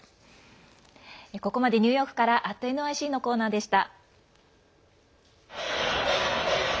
ここまでニューヨークから「＠ｎｙｃ」のコーナーでした。